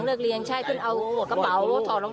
คือวิ่งไปที่บ้าน